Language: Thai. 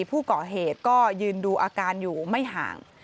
ผู้ก่อเหตุก็ยืนดูอาการอยู่ไม่ห่าง